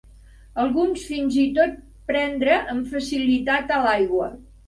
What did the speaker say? Alguns fins i tot prendre amb facilitat a l'aigua.